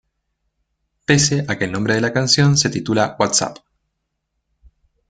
Pese a que el nombre de la canción se titula "What's Up?